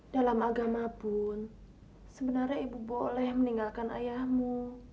dalam agama pun sebenarnya ibu boleh meninggalkan ayahmu